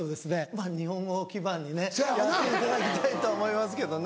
まぁ日本語を基盤にねやっていただきたいと思いますけどね。